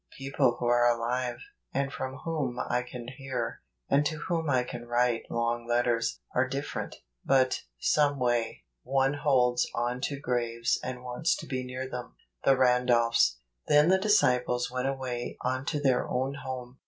People who are alive, and from whom I can hear, and to whom I can write long letters, are different; but, someway, one holds on to graves and wants to be near them. The Randolphs. " Then the disciples went away unto their own home.